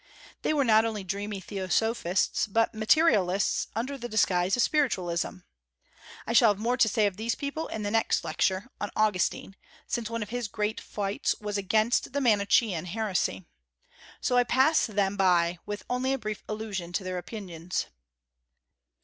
They were not only dreamy theosophists, but materialists under the disguise of spiritualism. I shall have more to say of these people in the next Lecture, on Augustine, since one of his great fights was against the Manichean heresy. So I pass them by with only a brief allusion to their opinions.